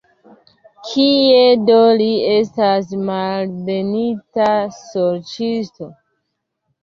Kie do li estas, malbenita sorĉisto?